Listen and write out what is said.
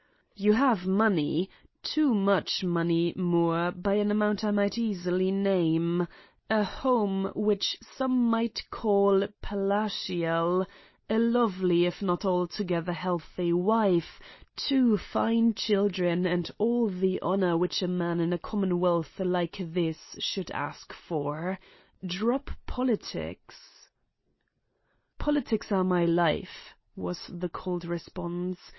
'You have money—too much money, Moore, by an amount I might easily name—a home which some might call palatial, a lovely, if not altogether healthy wife, two fine children, and all the honor which a man in a commonwealth like this should ask for. Drop politics.' "'Politics are my life,' was the cold response.